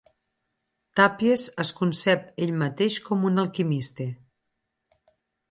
Tàpies es concep ell mateix com un alquimista.